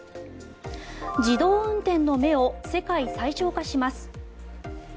自動運転の目を世界最小化します。